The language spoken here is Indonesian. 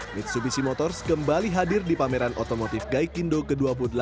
mitsubishi motors kembali hadir di pameran otomotif gaikindo ke dua puluh delapan